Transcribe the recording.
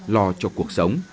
lo cho cuộc sống